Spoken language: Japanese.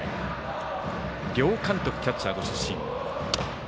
両監督キャッチャーご出身。